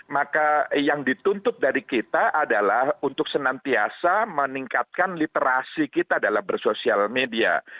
maka yang dituntut dari kita adalah untuk senantiasa meningkatkan literasi kita dalam bersosial media